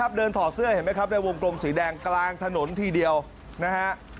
เดินถอดเสื้อเห็นไหมครับในวงกลมสีแดงกลางถนนทีเดียวนะฮะ